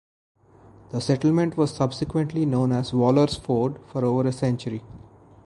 The settlement was subsequently known as Waller's Ford for over a century.